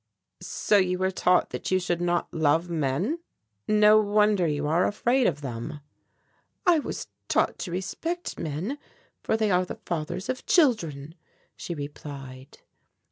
"So you were taught that you should not love men? No wonder you are afraid of them." "I was taught to respect men for they are the fathers of children," she replied.